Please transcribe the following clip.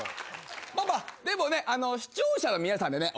まあまあでもね視聴者の皆さんでね